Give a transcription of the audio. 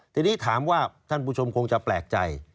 ทีนี้ถามว่าท่านผู้ชมคงจะแปลกใจ